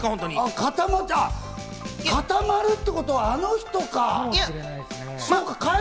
固まったってことはあの人か！